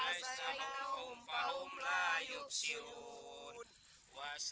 hai eh alhamdulillah